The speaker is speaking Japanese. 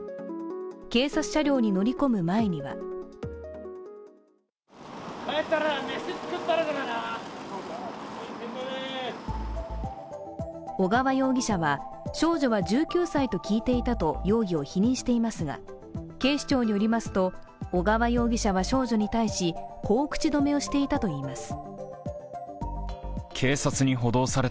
警察車両に乗り込む前には小川容疑者は、少女は１９歳と聞いていたと容疑を否認していますが警視庁によりますと小川容疑者は少女に対し、こう口止めをしていたといいます。